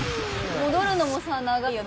戻るのもさ長いよね。